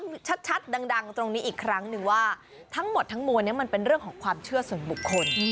ชัดดังตรงนี้อีกครั้งหนึ่งว่าทั้งหมดทั้งมวลนี้มันเป็นเรื่องของความเชื่อส่วนบุคคล